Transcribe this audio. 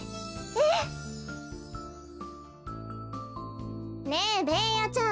ええ！ねえベーヤちゃん。